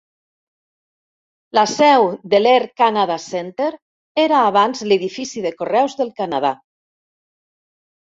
La seu de l'Air Canada Centre era abans l'edifici de correus del Canadà.